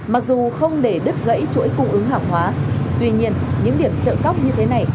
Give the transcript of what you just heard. mặc dù không để đứt gãy chuỗi cung ứng hàng hóa tuy nhiên những điểm trợ cóc như thế này